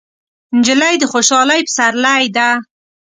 نجلۍ د خوشحالۍ پسرلی ده.